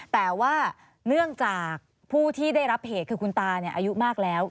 แต่ว่าเนื่องจากผู้ที่ได้รับเหตุคือคุณตาอายุมากแล้ว